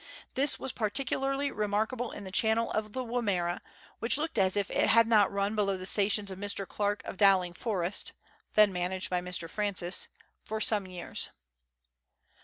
This was particularly remarkable in the channel of the Wimmera, which looked as if it had not run below the stations of Mr. Clarke of Bowling Forest (then managed by Mr. Francis) for some years.